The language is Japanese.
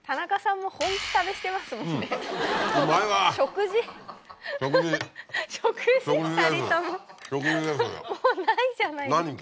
もうないじゃないですか。